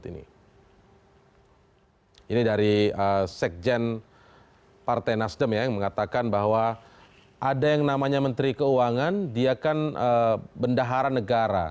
ini dari sekjen partai nasdem yang mengatakan bahwa ada yang namanya menteri keuangan dia kan bendahara negara